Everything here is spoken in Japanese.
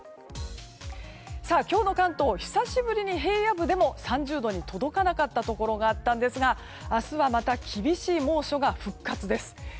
今日の関東久しぶりに平野部でも３０度に届かなかったところがあったんですが明日はまた厳しい猛暑が復活です。